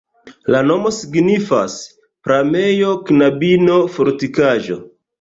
La nomo signifas: pramejo-knabino-fortikaĵo.